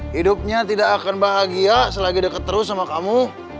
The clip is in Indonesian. hidupnya tidak akan bahagia selagi deket terus sama kamu